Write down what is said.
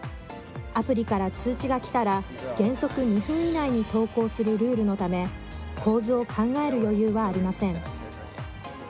アプリから通知がきたら原則２分以内に投稿するルールのため構図を考える余裕はありません。